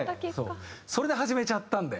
それで始めちゃったんで。